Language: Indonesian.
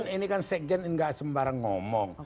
ini kan sekjen nggak sembarang ngomong